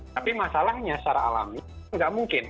tapi masalahnya secara alami nggak mungkin